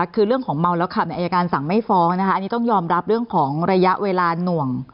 คือเรื่องของเมาแล้วขับอายการสั่งไม่ฟ้องนะคะอันนี้ต้องยอมรับเรื่องของระยะเวลาหน่วง